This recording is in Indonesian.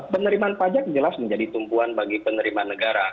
penerimaan pajak jelas menjadi tumpuan bagi penerimaan negara